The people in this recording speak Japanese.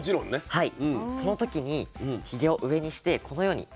はい。